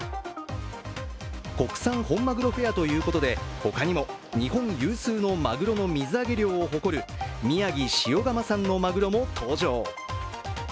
国産本まぐろフェアということで他にも日本有数のまぐろの水揚げ漁を誇る宮城・塩釜産のまぐろも登場。